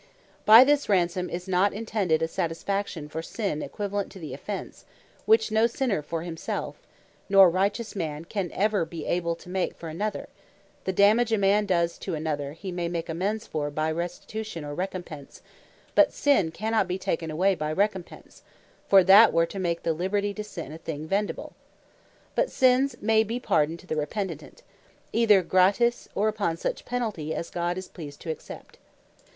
By this Ransome, is not intended a satisfaction for Sin, equivalent to the Offence, which no sinner for himselfe, nor righteous man can ever be able to make for another; The dammage a man does to another, he may make amends for by restitution, or recompence, but sin cannot be taken away by recompence; for that were to make the liberty to sin, a thing vendible. But sins may bee pardoned to the repentant, either Gratis, or upon such penalty, as God is pleased to accept.